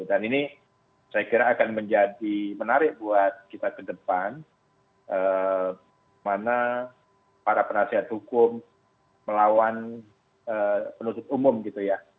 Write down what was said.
dan ini saya kira akan menjadi menarik buat kita ke depan mana para penasihat hukum melawan penutup umum gitu ya